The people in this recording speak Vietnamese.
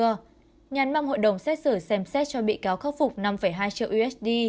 thưa nhàn mong hội đồng xét xử xem xét cho bị cáo khắc phục năm hai triệu usd